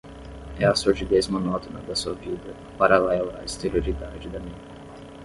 É a sordidez monótona da sua vida, paralela à exterioridade da minha